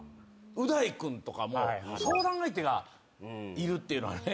う大君とかも相談相手がいるっていうのが。